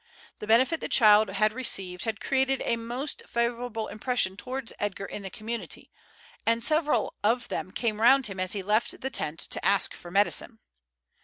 The benefit the child had received had created a most favourable impression towards Edgar in the community, and several of them came round him as he left the tent to ask for medicine.